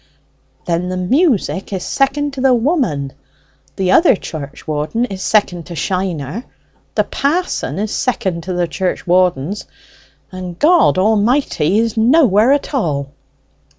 "Then the music is second to the woman, the other churchwarden is second to Shiner, the pa'son is second to the churchwardens, and God A'mighty is nowhere at all."